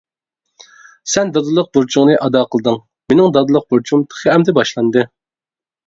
سەن دادىلىق بۇرچۇڭنى ئادا قىلدىڭ، مىنىڭ دادىلىق بۇرچۇم تېخى ئەمدى باشلاندى.